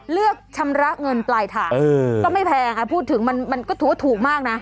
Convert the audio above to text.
เลือกชำระเงินปลายทางก็ไม่แพงพูดถึงมันก็ถือว่าถูกมากนะ